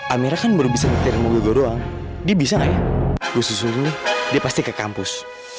amira kan baru bisa nyetir sama gue doang dia bisa gak ya gue susunin nih dia pasti ke kampus